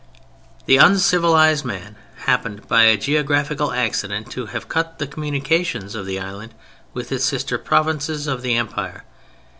The uncivilized man happened, by a geographical accident, to have cut the communication of the island with its sister provinces of the Empire.